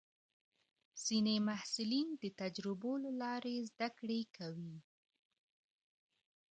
ځینې محصلین د تجربو له لارې زده کړه کوي.